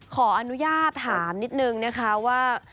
ขออนุญาตถามนิดนึงนะคะว่า